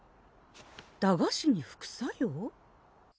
駄菓子に副作用？